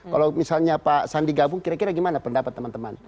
kalau misalnya pak sandi gabung kira kira gimana pendapat teman teman